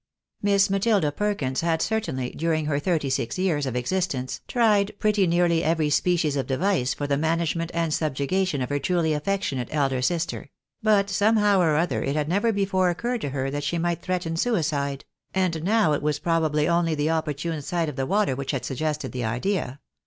Miss Matilda Perkins had certainly, during her thirty six years of existence, tried pretty nearly every species of device for the management and subjugation of her truly affectionate elder sister ; but somehow or other, it had never before occurred to her that she might threaten suicide ; and now it was probably only the oppor tune sight of the water which had suggested the idea.